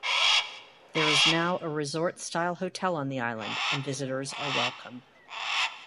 There is now a resort style hotel on the island and visitors are welcome.